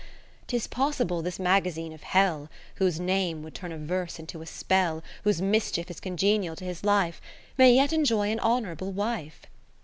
'Tis possible this magazine of Hell (Whose name would turn a verse into a spellj Whose mischief is congenial to his life) May yet enjoy an honourable wife.